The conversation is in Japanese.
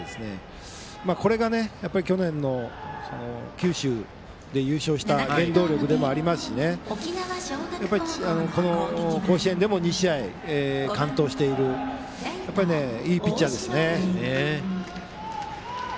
これが去年の九州で優勝した原動力でもありますしこの甲子園でも２試合完投しているいいピッチャーですね。